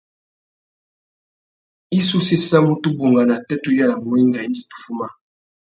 I sú séssamú tu bungana atê tu yānamú wenga indi tu fuma.